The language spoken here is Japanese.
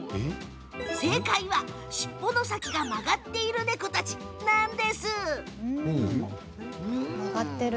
正解はしっぽの先が曲がっている猫たちなんです。